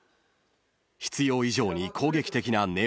［必要以上に攻撃的な新音］